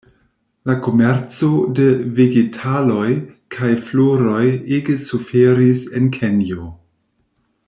La komerco de Vegetaloj kaj floroj ege suferis en Kenjo.